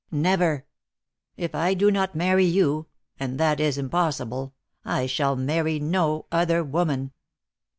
"Never! If I do not marry you and that is impossible I shall marry no other woman."